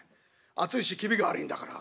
暑いし気味が悪いんだから。